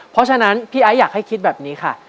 เพราะฉะนั้นพี่ไอ้อยากให้คิดแบบนี้ค่ะ